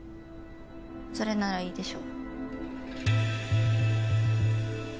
それならいいでしょ？